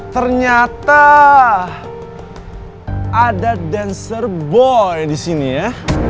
ternyata ada dancer boy di sini ya